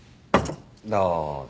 どうぞ。